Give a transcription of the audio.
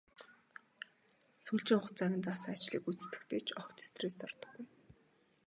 Сүүлчийн хугацааг нь заасан ажлыг гүйцэтгэхдээ ч огт стресст ордоггүй.